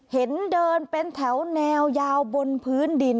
เห็นเดินเป็นแถวแนวยาวบนพื้นดิน